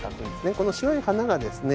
この白い花がですね